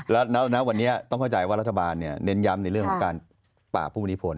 แล้วณวันนี้ต้องเข้าใจว่ารัฐบาลเน้นย้ำในเรื่องของการปราบผู้มีผล